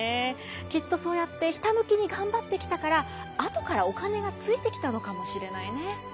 きっとそうやってひたむきに頑張ってきたからあとからお金がついてきたのかもしれないね。